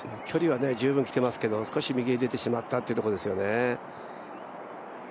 距離は十分きてますけど、少し右に出てしまったっていうところですよね。